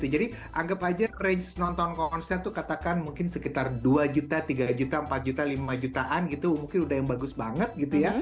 jadi anggap aja range nonton konser itu katakan mungkin sekitar dua juta tiga juta empat juta lima jutaan gitu mungkin udah yang bagus banget gitu ya